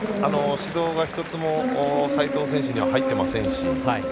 指導が１つも斉藤選手には入ってませんし。